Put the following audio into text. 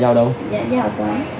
dạ giao ở quán